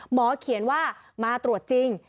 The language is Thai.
หมอเขียนว่ามาตรวจจริง